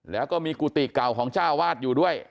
แล้วก็มีกุฏิเก่าของเจ้าวาดอยู่ด้วย